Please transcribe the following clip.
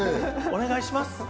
お願いします。